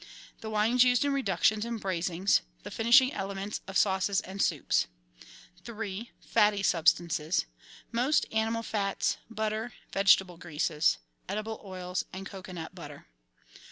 the wines used in reductions and braisings; the finishing elements of sauces and soups. 3. Fatty substances. — Most animal fats, butter, vegetable greases (edible oils and cocoanut butter).